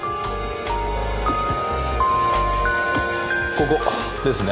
ここですね。